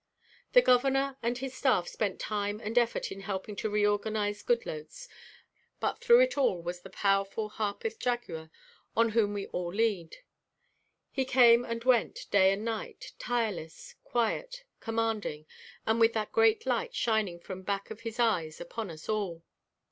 The Governor and his staff spent time and effort in helping to reorganize Goodloets, but through it all it was the powerful Harpeth Jaguar on whom we all leaned. He came and went day and night, tireless, quiet, commanding, and with that great light shining from back of his eyes upon us all.